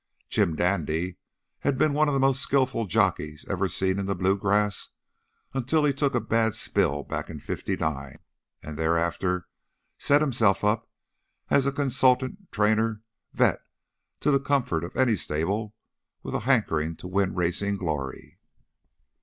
Jim Dandy had been one of the most skillful jockeys ever seen in the blue grass, until he took a bad spill back in '59 and thereafter set himself up as a consultant trainer vet to the comfort of any stable with a hankering to win racing glory.